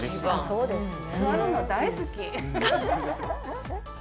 そうですね。